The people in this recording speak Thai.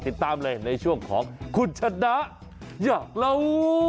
ติดตามเลยในช่วงของขุดชดดาอย่ากลัว